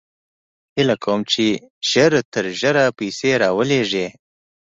هېله کوم چې زر تر زره پیسې راولېږې